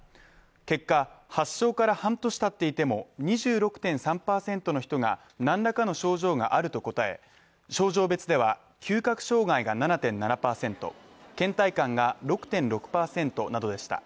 結果、発症から半年たっていても２６．３％の人が何らかの症状があると答え症状別では、嗅覚障害が７．７％、けん怠感が６．６％などでした。